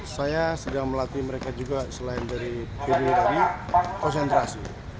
saya sedang melatih mereka juga selain dari video tadi konsentrasi